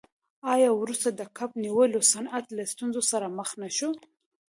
آیا وروسته د کب نیولو صنعت له ستونزو سره مخ نشو؟